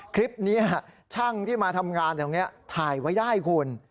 คลิปนี้ช่างที่มาทำงานแถวนี้ถ่ายไว้ได้คุณ